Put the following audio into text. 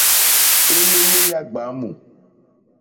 Elele ya gbamu.